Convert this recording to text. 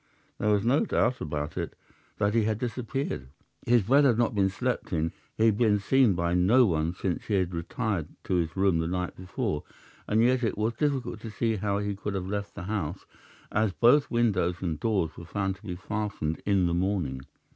There was no doubt about it that he had disappeared. His bed had not been slept in, he had been seen by no one since he had retired to his room the night before, and yet it was difficult to see how he could have left the house, as both windows and doors were found to be fastened in the morning.